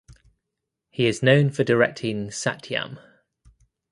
He is known for directing "Satyam".